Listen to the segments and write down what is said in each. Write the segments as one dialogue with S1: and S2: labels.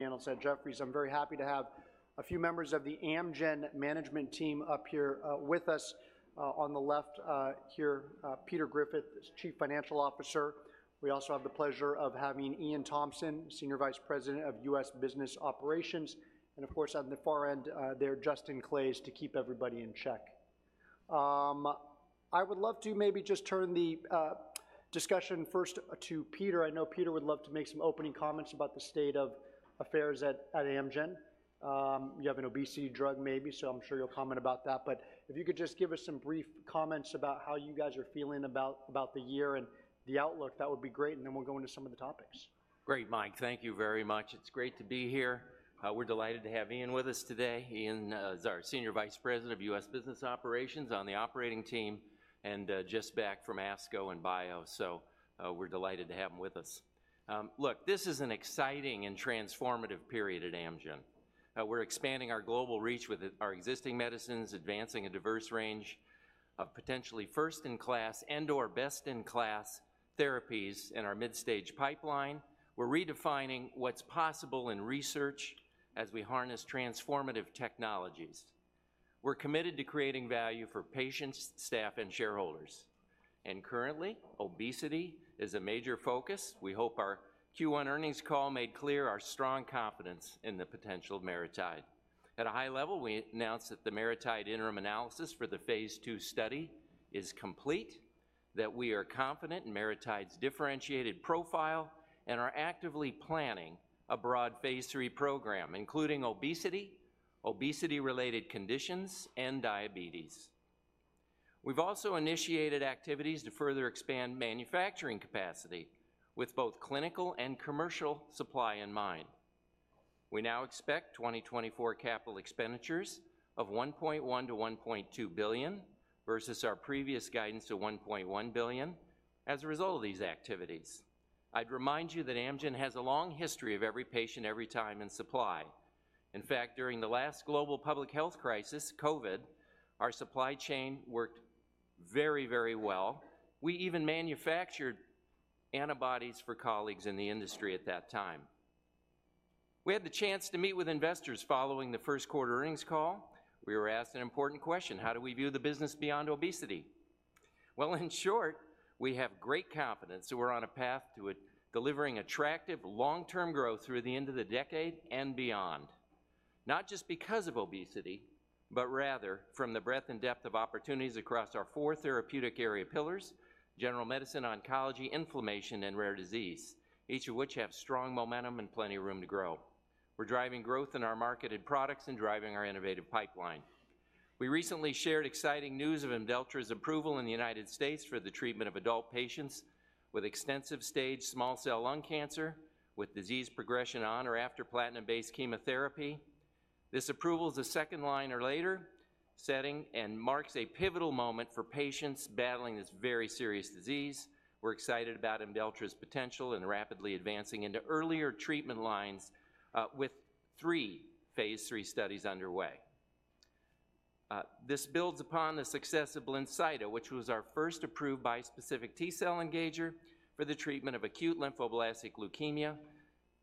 S1: Panel at Jefferies. I'm very happy to have a few members of the Amgen management team up here, with us. On the left, here, Peter Griffith, Chief Financial Officer. We also have the pleasure of having Ian Thompson, Senior Vice President of U.S. Business Operations, and of course, on the far end, there, Justin Claeys, to keep everybody in check. I would love to maybe just turn the discussion first to Peter. I know Peter would love to make some opening comments about the state of affairs at, at Amgen. You have an obesity drug maybe, so I'm sure you'll comment about that, but if you could just give us some brief comments about how you guys are feeling about, about the year and the outlook, that would be great, and then we'll go into some of the topics.
S2: Great, Mike. Thank you very much. It's great to be here. We're delighted to have Ian with us today. Ian is our Senior Vice President of U.S. Business Operations on the operating team, and just back from ASCO and BIO, so we're delighted to have him with us. Look, this is an exciting and transformative period at Amgen. We're expanding our global reach with our existing medicines, advancing a diverse range of potentially first-in-class and/or best-in-class therapies in our midstage pipeline. We're redefining what's possible in research as we harness transformative technologies. We're committed to creating value for patients, staff, and shareholders, and currently, obesity is a major focus. We hope our Q1 earnings call made clear our strong confidence in the potential of MariTide. At a high level, we announced that the MariTide interim analysis for the phase 2 study is complete, that we are confident in MariTide's differentiated profile, and are actively planning a broad phase 3 program, including obesity, obesity-related conditions, and diabetes. We've also initiated activities to further expand manufacturing capacity, with both clinical and commercial supply in mind. We now expect 2024 capital expenditures of $1.1-$1.2 billion, versus our previous guidance of $1.1 billion, as a result of these activities. I'd remind you that Amgen has a long history of every patient, every time, and supply. In fact, during the last global public health crisis, COVID, our supply chain worked very, very well. We even manufactured antibodies for colleagues in the industry at that time. We had the chance to meet with investors following the first quarter earnings call. We were asked an important question: How do we view the business beyond obesity? Well, in short, we have great confidence that we're on a path to a delivering attractive, long-term growth through the end of the decade and beyond, not just because of obesity, but rather from the breadth and depth of opportunities across our four therapeutic area pillars: general medicine, oncology, inflammation, and rare disease, each of which have strong momentum and plenty of room to grow. We're driving growth in our marketed products and driving our innovative pipeline. We recently shared exciting news of Imdelltra's approval in the United States for the treatment of adult patients with extensive stage small cell lung cancer, with disease progression on or after platinum-based chemotherapy. This approval is a second line or later setting, and marks a pivotal moment for patients battling this very serious disease. We're excited about Imdelltra's potential and rapidly advancing into earlier treatment lines, with three phase 3 studies underway. This builds upon the success of Blincyto, which was our first approved bispecific T-cell engager for the treatment of acute lymphoblastic leukemia.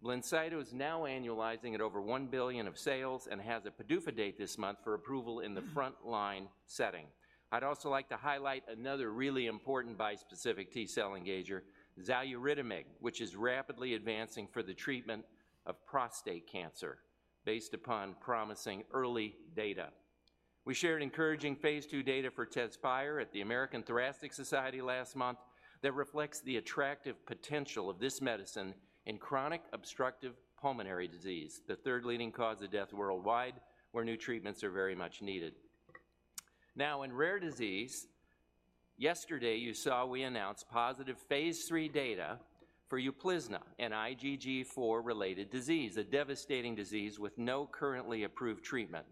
S2: Blincyto is now annualizing at over $1 billion of sales and has a PDUFA date this month for approval in the front-line setting. I'd also like to highlight another really important bispecific T-cell engager, Xaluritamig, which is rapidly advancing for the treatment of prostate cancer, based upon promising early data. We shared encouraging phase 2 data for Tezspire at the American Thoracic Society last month that reflects the attractive potential of this medicine in chronic obstructive pulmonary disease, the third leading cause of death worldwide, where new treatments are very much needed. Now, in rare disease, yesterday you saw we announced positive phase 3 data for Uplizna, an IgG4-related disease, a devastating disease with no currently approved treatment.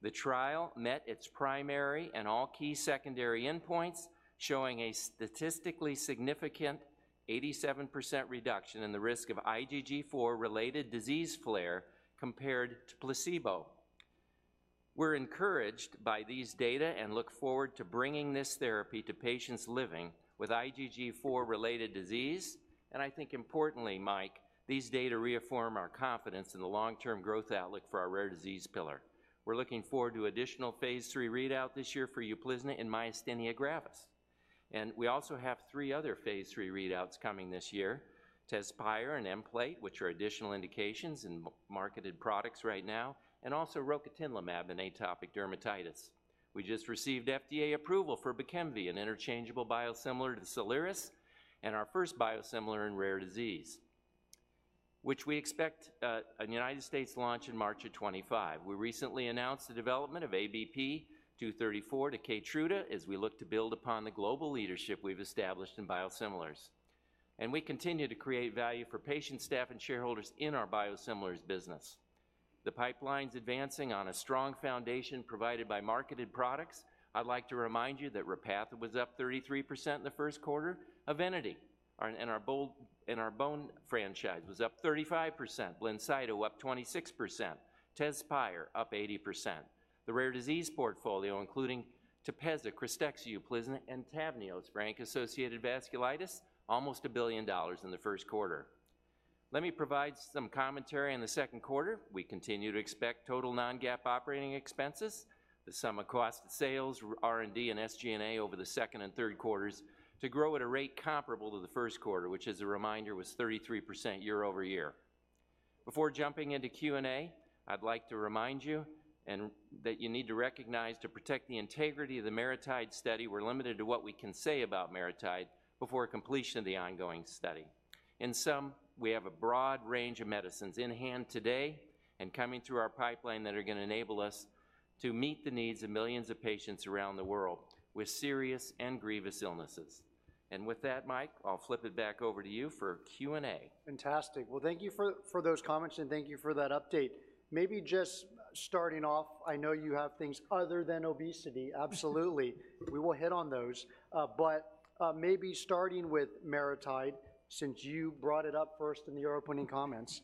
S2: The trial met its primary and all key secondary endpoints, showing a statistically significant 87% reduction in the risk of IgG4-related disease flare compared to placebo. We're encouraged by these data and look forward to bringing this therapy to patients living with IgG4-related disease, and I think importantly, Mike, these data reaffirm our confidence in the long-term growth outlook for our rare disease pillar. We're looking forward to additional phase 3 readout this year for Uplizna and myasthenia gravis, and we also have three other phase 3 readouts coming this year: Tezspire and Nplate, which are additional indications in marketed products right now, and also Rocatinlimab in atopic dermatitis. We just received FDA approval for Bkemv, an interchangeable biosimilar to Soliris, and our first biosimilar in rare disease, which we expect a United States launch in March of 2025. We recently announced the development of ABP 234 to Keytruda, as we look to build upon the global leadership we've established in biosimilars. And we continue to create value for patients, staff, and shareholders in our biosimilars business. The pipeline's advancing on a strong foundation provided by marketed products. I'd like to remind you that Repatha was up 33% in the first quarter. Evenity, our bone franchise, was up 35%. Blincyto up 26%. Tezspire up 80%. The rare disease portfolio, including Tepezza, Crysvita, Uplizna, and Tavneos, for ANCA-associated vasculitis, almost $1 billion in the first quarter. Let me provide some commentary on the second quarter. We continue to expect total non-GAAP operating expenses, the sum of cost of sales, R&D, and SG&A over the second and third quarters, to grow at a rate comparable to the first quarter, which, as a reminder, was 33% year-over-year. Before jumping into Q&A, I'd like to remind you that you need to recognize to protect the integrity of the MariTide study, we're limited to what we can say about MariTide before completion of the ongoing study. In sum, we have a broad range of medicines in hand today and coming through our pipeline that are gonna enable us to meet the needs of millions of patients around the world with serious and grievous illnesses. And with that, Mike, I'll flip it back over to you for Q&A.
S1: Fantastic. Well, thank you for, for those comments, and thank you for that update. Maybe just starting off, I know you have things other than obesity, absolutely. We will hit on those. But maybe starting with MariTide, since you brought it up first in your opening comments.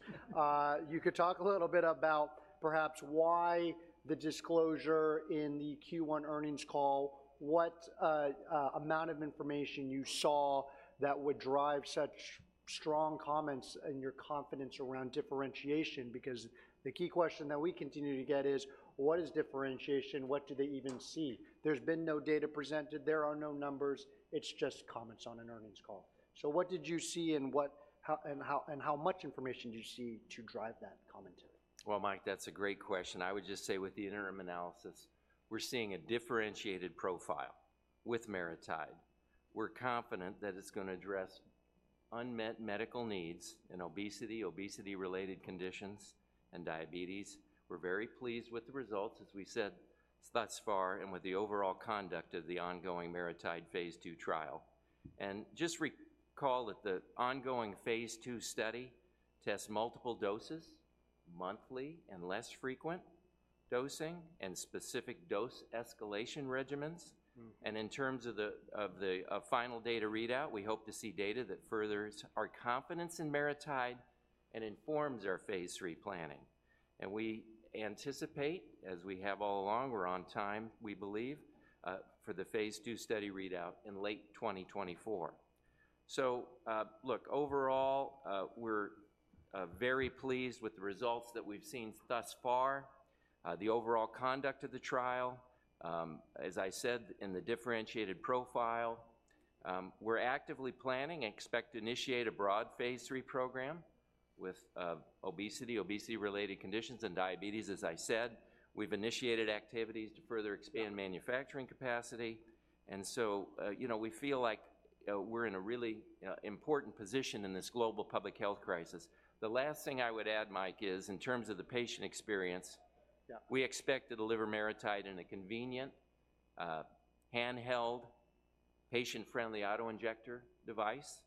S1: You could talk a little bit about perhaps why the disclosure in the Q1 earnings call, what amount of information you saw that would drive such strong comments and your confidence around differentiation? Because the key question that we continue to get is: What is differentiation? What do they even see? There's been no data presented. There are no numbers. It's just comments on an earnings call. So what did you see, and how, and how much information did you see to drive that commentary?
S2: Well, Mike, that's a great question. I would just say with the interim analysis, we're seeing a differentiated profile with MariTide. We're confident that it's gonna address unmet medical needs in obesity, obesity-related conditions, and diabetes. We're very pleased with the results, as we said thus far, and with the overall conduct of the ongoing MariTide phase 2 trial. Just recall that the ongoing phase 2 study tests multiple doses, monthly and less frequent dosing, and specific dose escalation regimens.
S1: Mm.
S2: In terms of the final data readout, we hope to see data that furthers our confidence in MariTide and informs our Phase 3 planning. We anticipate, as we have all along, we're on time, we believe, for the Phase 2 study readout in late 2024. So, look, overall, we're very pleased with the results that we've seen thus far, the overall conduct of the trial, as I said, in the differentiated profile. We're actively planning and expect to initiate a broad Phase 3 program with obesity, obesity-related conditions, and diabetes, as I said. We've initiated activities to further expand manufacturing capacity, and so, you know, we feel like we're in a really important position in this global public health crisis. The last thing I would add, Mike, is in terms of the patient experience-
S1: Yeah...
S2: we expect to deliver MariTide in a convenient, handheld, patient-friendly auto-injector device,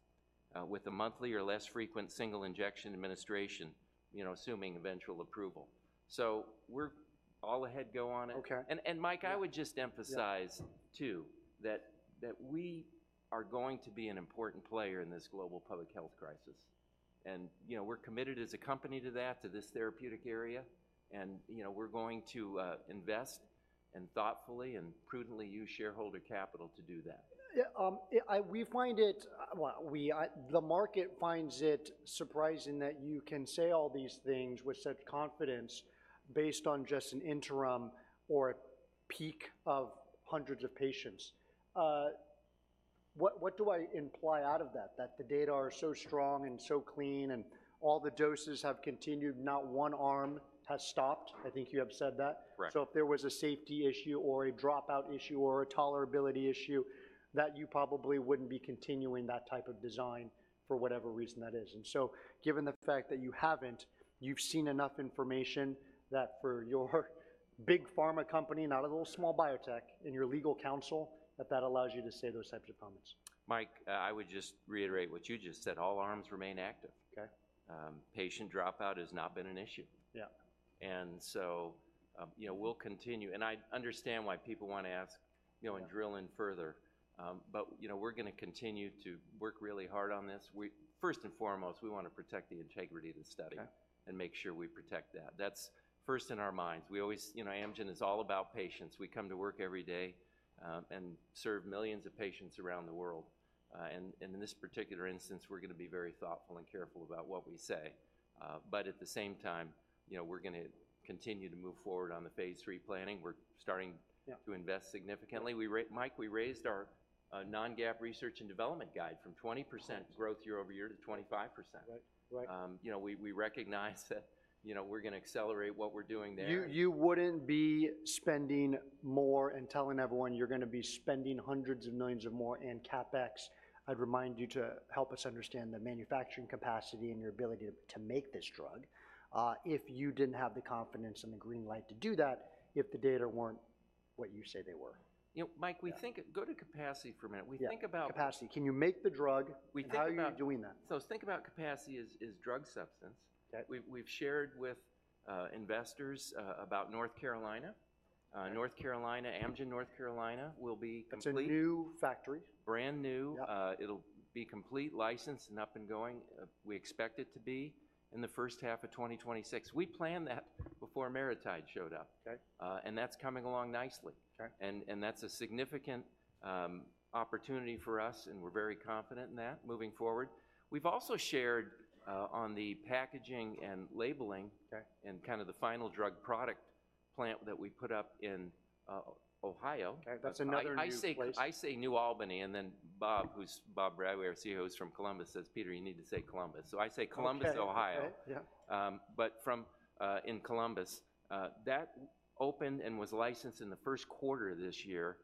S2: with a monthly or less frequent single injection administration, you know, assuming eventual approval. So we're all ahead go on it.
S1: Okay.
S2: Mike, I would just emphasize-
S1: Yeah...
S2: too, that, that we are going to be an important player in this global public health crisis. And, you know, we're committed as a company to that, to this therapeutic area, and, you know, we're going to invest and thoughtfully and prudently use shareholder capital to do that.
S1: Yeah, yeah. We find it—the market finds it surprising that you can say all these things with such confidence based on just an interim or a peak of hundreds of patients. What do I imply out of that? That the data are so strong and so clean, and all the doses have continued, not one arm has stopped? I think you have said that.
S2: Correct.
S1: So if there was a safety issue or a dropout issue or a tolerability issue, that you probably wouldn't be continuing that type of design, for whatever reason that is. And so given the fact that you haven't, you've seen enough information that for your big pharma company, not a little, small biotech, and your legal counsel, that that allows you to say those types of comments.
S2: Mike, I would just reiterate what you just said. All arms remain active.
S1: Okay.
S2: Patient dropout has not been an issue.
S1: Yeah.
S2: And so, you know, we'll continue... And I understand why people wanna ask, you know-
S1: Yeah...
S2: and drill in further, but, you know, we're gonna continue to work really hard on this. First and foremost, we wanna protect the integrity of the study-
S1: Okay...
S2: and make sure we protect that. That's first in our minds. We always... You know, Amgen is all about patients. We come to work every day, and serve millions of patients around the world. And in this particular instance, we're gonna be very thoughtful and careful about what we say. But at the same time, you know, we're gonna continue to move forward on the phase 3 planning. We're starting-
S1: Yeah...
S2: to invest significantly. Mike, we raised our non-GAAP research and development guidance from 20%-
S1: Wow...
S2: growth year-over-year to 25%.
S1: Right. Right.
S2: You know, we recognize that, you know, we're gonna accelerate what we're doing there.
S1: You, you wouldn't be spending more and telling everyone you're gonna be spending $hundreds of millions more in CapEx. I'd remind you to help us understand the manufacturing capacity and your ability to make this drug, if you didn't have the confidence and the green light to do that, if the data weren't what you say they were.
S2: You know, Mike, we think-
S1: Yeah.
S2: Go to capacity for a minute.
S1: Yeah.
S2: We think about-
S1: Capacity. Can you make the drug?
S2: We think about-
S1: Ho w are you doing that?
S2: So, think about capacity as drug substance.
S1: Okay.
S2: We've shared with investors about North Carolina. North Carolina, Amgen North Carolina will be complete-
S1: It's a new factory.
S2: Brand-new.
S1: Yeah.
S2: It'll be complete, licensed, and up and going. We expect it to be in the first half of 2026. We planned that before MariTide showed up.
S1: Okay.
S2: That's coming along nicely.
S1: Okay.
S2: That's a significant opportunity for us, and we're very confident in that moving forward. We've also shared on the packaging and labeling-
S1: Okay
S2: - and kind of the final drug product plant that we put up in, Ohio.
S1: Okay, that's another new place.
S2: I say New Albany, and then Bob, who's Bob Bradway, our CEO, who's from Columbus, says, "Peter, you need to say Columbus." So I say Columbus, Ohio.
S1: Okay. Yeah.
S2: In Columbus, that opened and was licensed in the first quarter this year,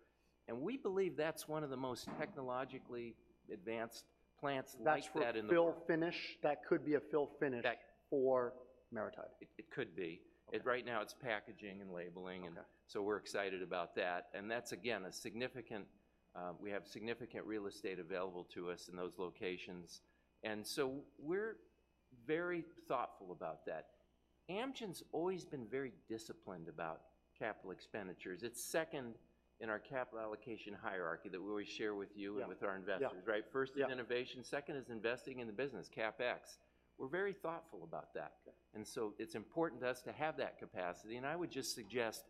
S2: and we believe that's one of the most technologically advanced plants like that in the world.
S1: That's for fill finish? That could be a fill finish-
S2: That-
S1: for MariTide.
S2: It could be.
S1: Okay.
S2: Right now it's packaging and labeling.
S1: Okay...
S2: so we're excited about that. That's again, a significant, we have significant real estate available to us in those locations, and so we're very thoughtful about that. Amgen's always been very disciplined about capital expenditures. It's second in our capital allocation hierarchy that we always share with you-
S1: Yeah...
S2: and with our investors.
S1: Yeah.
S2: Right?
S1: Yeah.
S2: First is innovation, second is investing in the business, CapEx. We're very thoughtful about that.
S1: Okay.
S2: And so it's important to us to have that capacity, and I would just suggest,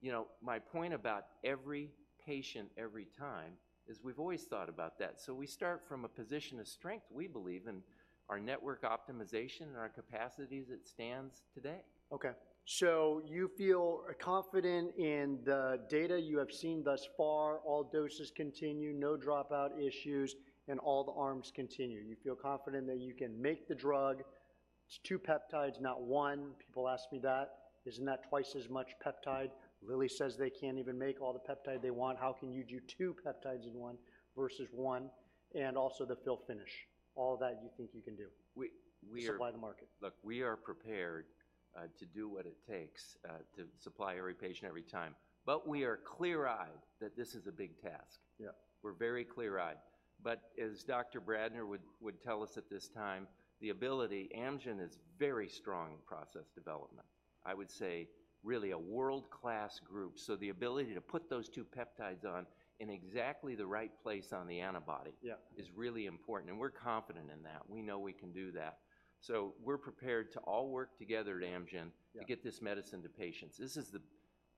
S2: you know, my point about every patient, every time, is we've always thought about that. So we start from a position of strength, we believe, in our network optimization and our capacity as it stands today.
S1: Okay. So you feel confident in the data you have seen thus far, all doses continue, no dropout issues, and all the arms continue. You feel confident that you can make the drug. It's two peptides, not one. People ask me that. "Isn't that twice as much peptide? Lilly says they can't even make all the peptide they want. How can you do two peptides in one versus one?" And also the fill finish. All that you think you can do-
S2: We are....
S1: to supply the market.
S2: Look, we are prepared to do what it takes to supply every patient, every time. But we are clear-eyed that this is a big task.
S1: Yeah.
S2: We're very clear-eyed. But as Dr. Bradner would tell us at this time, the ability, Amgen is very strong in process development. I would say, really a world-class group, so the ability to put those two peptides on in exactly the right place on the antibody-
S1: Yeah...
S2: is really important, and we're confident in that. We know we can do that. So we're prepared to all work together at Amgen-
S1: Yeah...
S2: to get this medicine to patients. This is the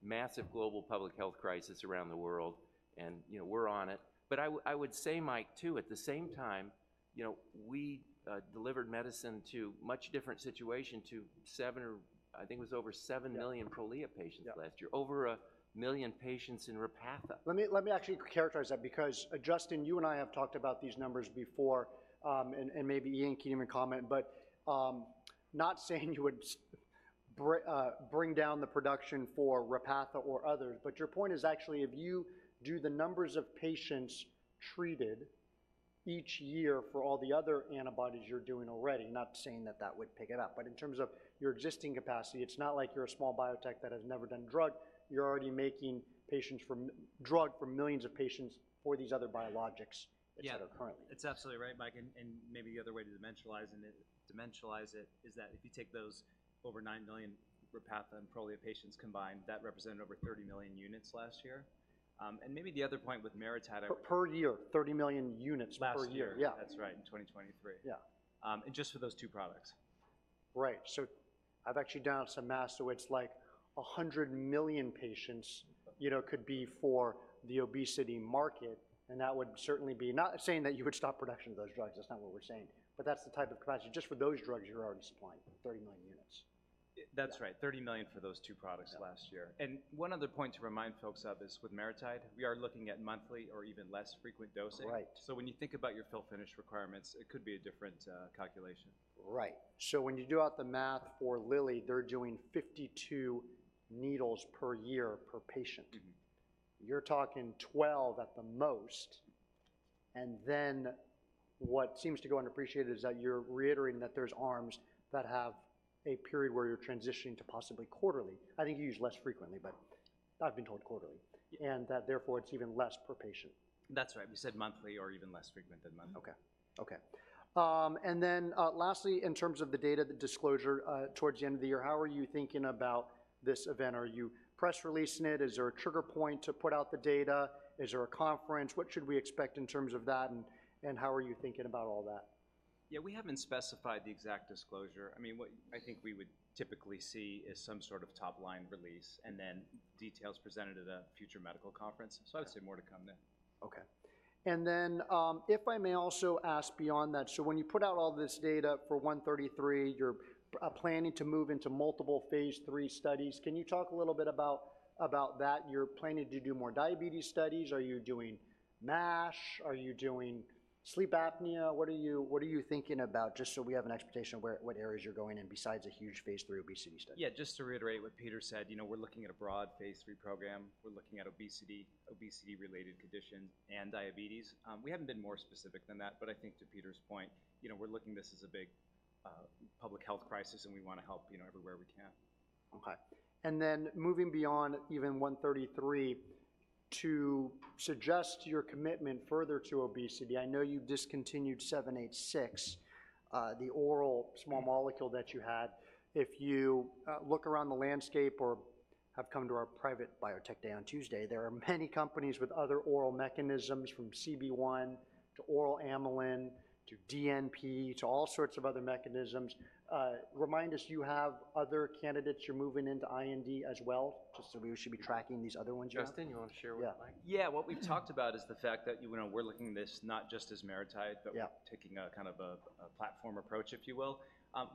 S2: massive global public health crisis around the world, and, you know, we're on it. But I would say, Mike, too, at the same time, you know, we delivered medicine to much different situation to 7, or I think it was over 7 million-
S1: Yeah...
S2: Prolia patients-
S1: Yeah...
S2: last year. Over 1 million patients in Repatha.
S1: Let me actually characterize that because, Justin, you and I have talked about these numbers before, and maybe Ian can even comment, but not saying you would bring down the production for Repatha or others, but your point is actually if you do the numbers of patients treated each year for all the other antibodies you're doing already, not saying that that would pick it up. But in terms of your existing capacity, it's not like you're a small biotech that has never done drug. You're already making drug for millions of patients for these other biologics-
S3: Yeah...
S1: that are currently.
S3: It's absolutely right, Mike, and maybe the other way to dimensionalize it is that if you take those over 9 million Repatha and Prolia patients combined, that represented over 30 million units last year. And maybe the other point with Meritage-
S1: per year, 30 million units per year.
S3: Last year.
S1: Yeah.
S3: That's right, in 2023.
S1: Yeah.
S3: Just for those two products.
S1: Right. So I've actually done some math, so it's like 100 million patients, you know, could be for the obesity market, and that would certainly be... Not saying that you would stop production of those drugs, that's not what we're saying, but that's the type of capacity. Just for those drugs, you're already supplying 30 million units.
S3: That's right, $30 million for those two products last year.
S1: Yeah.
S3: One other point to remind folks of is with MariTide, we are looking at monthly or even less frequent dosing.
S1: Right.
S3: So when you think about your fill-finish requirements, it could be a different calculation.
S1: Right. So when you do out the math for Lilly, they're doing 52 needles per year per patient.
S3: Mm-hmm.
S1: You're talking 12 at the most, and then what seems to go unappreciated is that you're reiterating that there's arms that have a period where you're transitioning to possibly quarterly. I think you use less frequently, but I've been told quarterly.
S4: Yeah.
S1: And that, therefore, it's even less per patient.
S3: That's right. We said monthly or even less frequent than monthly.
S1: Okay. Okay. And then, lastly, in terms of the data, the disclosure, towards the end of the year, how are you thinking about this event? Are you press releasing it? Is there a trigger point to put out the data? Is there a conference? What should we expect in terms of that, and, and how are you thinking about all that?
S2: Yeah, we haven't specified the exact disclosure. I mean, what I think we would typically see is some sort of top-line release, and then details presented at a future medical conference.
S1: Yeah.
S2: I'd say more to come then.
S1: Okay. And then, if I may also ask beyond that, so when you put out all this data for 133, you're planning to move into multiple phase 3 studies. Can you talk a little bit about, about that? You're planning to do more diabetes studies. Are you doing MASH? Are you doing sleep apnea? What are you, what are you thinking about, just so we have an expectation of where- what areas you're going in besides a huge phase 3 obesity study?
S4: Yeah, just to reiterate what Peter said, you know, we're looking at a broad Phase III program. We're looking at obesity, obesity-related conditions, and diabetes. We haven't been more specific than that, but I think to Peter's point, you know, we're looking at this as a big, public health crisis, and we wanna help, you know, everywhere we can.
S1: Okay, and then moving beyond even 133, to suggest your commitment further to obesity, I know you've discontinued 786, the oral small molecule that you had. If you look around the landscape or have come to our private biotech day on Tuesday. There are many companies with other oral mechanisms, from CB1 to oral amylin, to DNP, to all sorts of other mechanisms. Remind us, you have other candidates you're moving into IND as well, just so we should be tracking these other ones down?
S4: Justin, you wanna share with Mike?
S1: Yeah.
S3: Yeah, what we've talked about is the fact that, you know, we're looking at this not just as MariTide-
S1: Yeah...
S3: but we're taking a kind of a platform approach, if you will.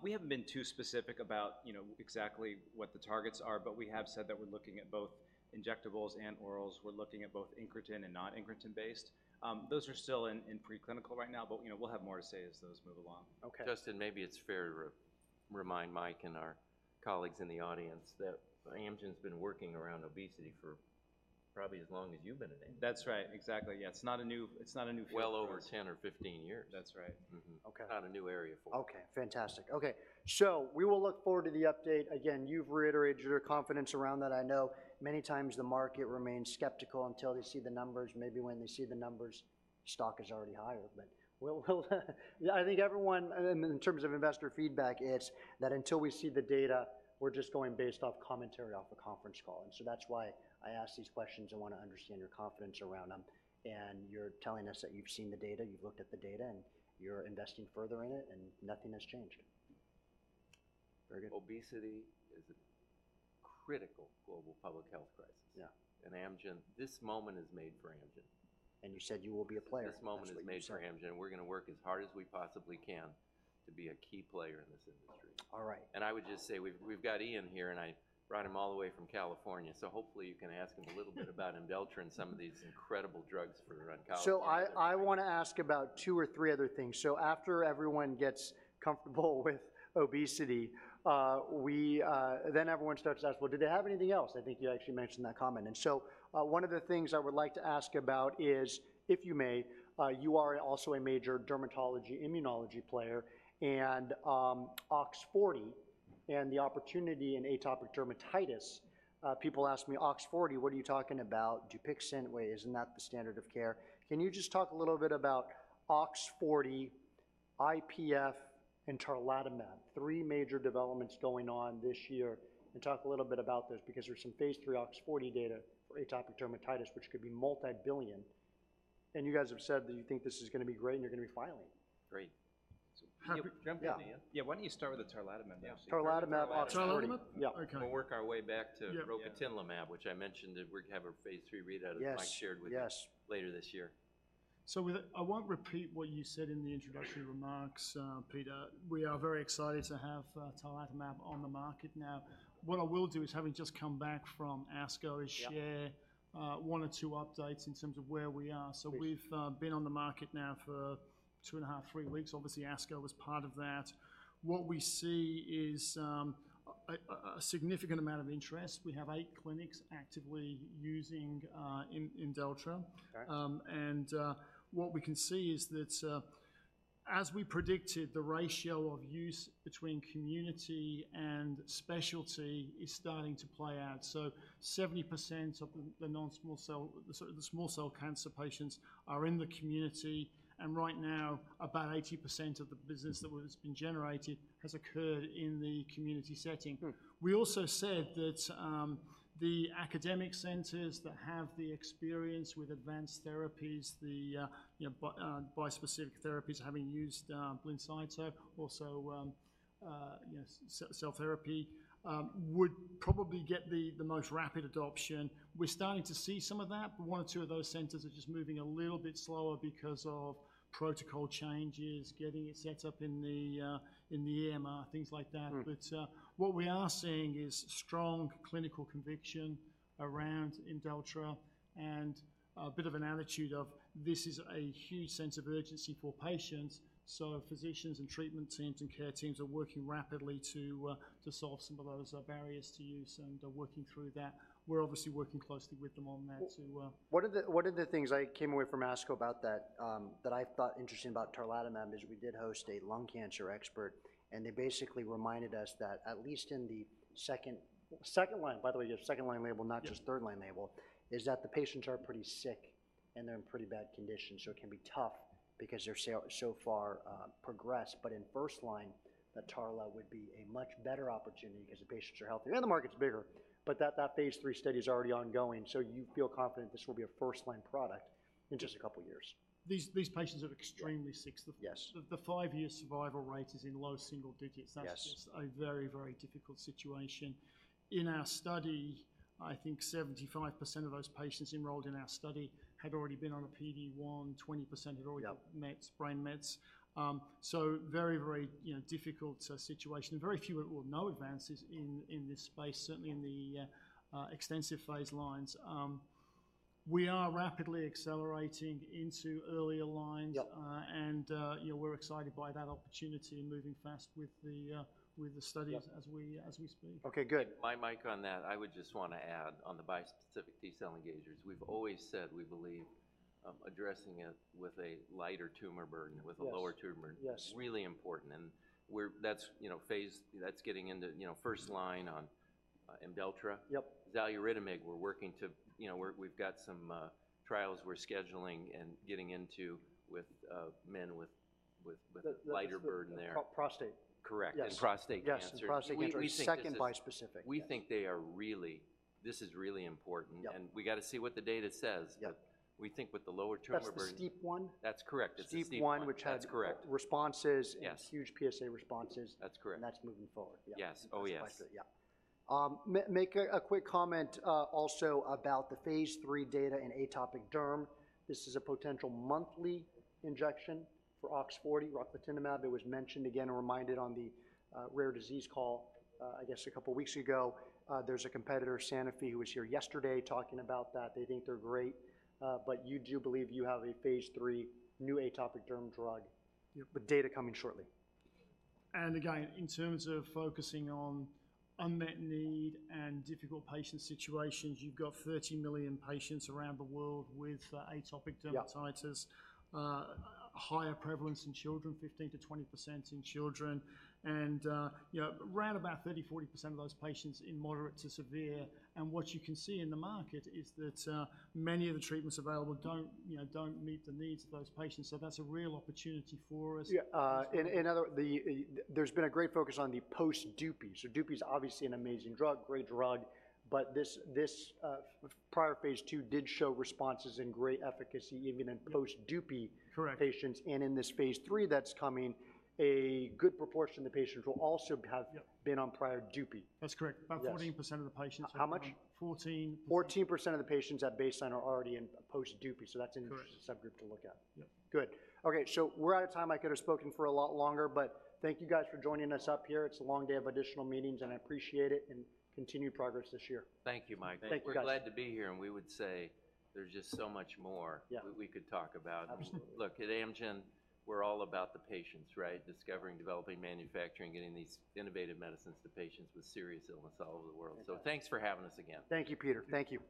S3: We haven't been too specific about, you know, exactly what the targets are, but we have said that we're looking at both injectables and orals. We're looking at both incretin and not incretin-based. Those are still in preclinical right now, but, you know, we'll have more to say as those move along.
S1: Okay.
S2: Justin, maybe it's fair to remind Mike and our colleagues in the audience that Amgen's been working around obesity for probably as long as you've been at Amgen.
S3: That's right. Exactly, yeah. It's not a new-
S2: Well over 10 or 15 years.
S3: That's right.
S2: Mm-hmm.
S4: Okay.
S2: Not a new area for us.
S1: Okay, fantastic. Okay, so we will look forward to the update. Again, you've reiterated your confidence around that. I know many times the market remains skeptical until they see the numbers. Maybe when they see the numbers, stock is already higher, but we'll, I think everyone, in terms of investor feedback, it's that until we see the data, we're just going based off commentary off a conference call. And so, that's why I ask these questions. I wanna understand your confidence around them, and you're telling us that you've seen the data, you've looked at the data, and you're investing further in it, and nothing has changed. Very good.
S2: Obesity is a critical global public health crisis.
S1: Yeah.
S2: And Amgen, this moment is made for Amgen.
S1: You said you will be a player.
S2: This moment is made for Amgen-
S1: That's what you said....
S2: we're gonna work as hard as we possibly can to be a key player in this industry.
S1: All right.
S2: I would just say, we've got Ian here, and I brought him all the way from California, so hopefully you can ask him a little bit about Imdelltra and some of these incredible drugs for oncology.
S1: So I wanna ask about two or three other things. So after everyone gets comfortable with obesity, then everyone starts to ask: Well, do they have anything else? I think you actually mentioned that comment. And so, one of the things I would like to ask about is, if you may, you are also a major dermatology immunology player, and OX40 and the opportunity in atopic dermatitis. People ask me, "OX40, what are you talking about? Dupixent, wait, isn't that the standard of care?" Can you just talk a little bit about OX40, IPF, and tarlatamab, three major developments going on this year, and talk a little bit about this? Because there's some phase 3 OX40 data for atopic dermatitis, which could be multi-billion, and you guys have said that you think this is gonna be great, and you're gonna be filing.
S2: Great. So...
S4: Yeah.
S2: Yeah, why don't you start with the tarlatamab now?
S1: Tarlatamab, OX40.
S4: Tarlatamab?
S1: Yeah.
S4: Okay.
S2: We'll work our way back to-
S4: Yeah...
S2: rocatinlimab, which I mentioned that we'd have a phase 3 readout-
S1: Yes...
S2: as Mike shared with you-
S1: Yes...
S2: later this year.
S3: So with that, I won't repeat what you said in the introductory remarks, Peter. We are very excited to have tarlatamab on the market now. What I will do is, having just come back from ASCO, is-
S1: Yeah...
S3: share one or two updates in terms of where we are.
S1: Please.
S3: We've been on the market now for 2.5-3 weeks. Obviously, ASCO was part of that. What we see is a significant amount of interest. We have eight clinics actively using Imdelltra.
S1: Okay.
S3: What we can see is that, as we predicted, the ratio of use between community and specialty is starting to play out. So 70% of the non-small cell, sort of the small cell cancer patients are in the community, and right now, about 80% of the business that was been generated has occurred in the community setting.
S1: Hmm.
S3: We also said that the academic centers that have the experience with advanced therapies, you know, bispecific therapies, having used Blincyto, also cell therapy, would probably get the most rapid adoption. We're starting to see some of that, but one or two of those centers are just moving a little bit slower because of protocol changes, getting it set up in the EMR, things like that.
S1: Hmm.
S3: But, what we are seeing is strong clinical conviction around Imdelltra and a bit of an attitude of, this is a huge sense of urgency for patients. So physicians and treatment teams and care teams are working rapidly to, to solve some of those, barriers to use, and they're working through that. We're obviously working closely with them on that to,
S1: One of the, one of the things I came away from ASCO about that, that I thought interesting about tarlatamab is we did host a lung cancer expert, and they basically reminded us that at least in the second, second line, by the way, the second-line label, not just-
S3: Yeah...
S1: third-line label, is that the patients are pretty sick, and they're in pretty bad condition. So it can be tough because they're so, so far progressed. But in first line, the tarlatamab would be a much better opportunity because the patients are healthier, and the market's bigger, but that, that Phase 3 study is already ongoing. So you feel confident this will be a first-line product in just a couple years.
S3: These patients are extremely sick.
S1: Yes.
S3: The five-year survival rate is in low single digits.
S1: Yes.
S3: That's just a very, very difficult situation. In our study, I think 75% of those patients enrolled in our study had already been on a PD-1, 20% had already-
S1: Yeah...
S3: mets, brain mets. So very, very, you know, difficult situation, and very few or no advances in this space, certainly-
S1: Yeah...
S3: in the extensive phase lines. We are rapidly accelerating into earlier lines.
S1: Yep.
S3: you know, we're excited by that opportunity and moving fast with the studies-
S1: Yep...
S3: as we speak.
S1: Okay, good.
S2: My mic on that, I would just wanna add on the bispecific T-cell engagers, we've always said we believe, addressing it with a lighter tumor burden-
S3: Yes...
S2: with a lower tumor burden-
S3: Yes...
S2: is really important, and that's, you know, that's getting into, you know, first line on Imdelltra?
S1: Yep.
S2: Xaluritamig, we're working to, you know, we've got some trials we're scheduling and getting into with men with,
S1: The, the-
S2: lighter burden there.
S1: Prostate.
S2: Correct.
S1: Yes.
S2: Prostate cancer.
S1: Yes, and prostate cancer.
S2: We think this is-
S1: Second bispecific.
S2: We think they are really... This is really important.
S1: Yep.
S2: We gotta see what the data says.
S1: Yep ...
S2: but we think with the lower tumor burden-
S1: That's the STEAP1?
S2: That's correct.
S1: The STEAP1-
S2: That's correct.
S1: Which had responses-
S2: Yes...
S1: huge PSA responses.
S2: That's correct.
S1: That's moving forward. Yeah.
S2: Yes. Oh, yes.
S1: That's right. Yeah. Make a quick comment, also about the phase 3 data in atopic derm. This is a potential monthly injection for OX40, rocatinlimab, that was mentioned again or reminded on the rare disease call, I guess a couple weeks ago. There's a competitor, Sanofi, who was here yesterday talking about that. They think they're great, but you do believe you have a phase 3 new atopic derm drug-
S3: Yep...
S1: with data coming shortly.
S3: And again, in terms of focusing on unmet need and difficult patient situations, you've got 30 million patients around the world with atopic dermatitis.
S1: Yep.
S3: Higher prevalence in children, 15%-20% in children, and, you know, around about 30%-40% of those patients in moderate to severe. What you can see in the market is that, many of the treatments available don't, you know, don't meet the needs of those patients, so that's a real opportunity for us.
S1: There's been a great focus on the post-Dupi. So Dupi is obviously an amazing drug, great drug, but this prior phase 2 did show responses and great efficacy even in post-Dupi-
S3: Correct...
S1: patients. In this Phase 3 that's coming, a good proportion of the patients will also have-
S3: Yep...
S1: been on prior Dupi.
S3: That's correct.
S1: Yes.
S3: About 14% of the patients have been-
S1: How much?
S3: Fourteen.
S1: 14% of the patients at baseline are already in post-Dupi, so that's an-
S3: Correct...
S1: interesting subgroup to look at.
S3: Yep.
S1: Good. Okay, so we're out of time. I could have spoken for a lot longer, but thank you guys for joining us up here. It's a long day of additional meetings, and I appreciate it, and continued progress this year.
S2: Thank you, Mike.
S1: Thank you, guys.
S2: We're glad to be here, and we would say there's just so much more-
S1: Yeah...
S2: we could talk about.
S1: Absolutely.
S2: Look, at Amgen, we're all about the patients, right? Discovering, developing, manufacturing, getting these innovative medicines to patients with serious illness all over the world.
S1: Exactly.
S2: Thanks for having us again.
S1: Thank you, Peter. Thank you.